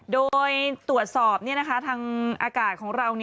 โดยตรวจสอบทางอากาศของเรา